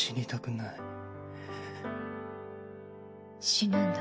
死ぬんだ。